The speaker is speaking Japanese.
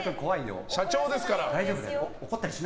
社長ですから。